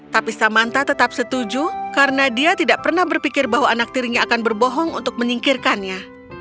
tapi samanta tetap setuju karena dia tidak pernah berpikir bahwa anak tirinya akan berbohong untuk menyingkirkannya